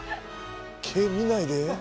毛見ないで。